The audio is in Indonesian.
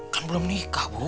kan belum nikah bu